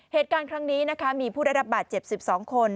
เหตุการณ์ครั้งนี้นะคะมีผู้ได้รับบาดเจ็บ๑๒คน